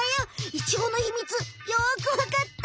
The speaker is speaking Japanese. イチゴの秘密よくわかった！